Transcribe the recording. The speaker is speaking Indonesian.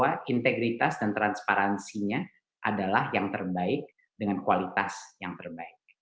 bahwa integritas dan transparansinya adalah yang terbaik dengan kualitas yang terbaik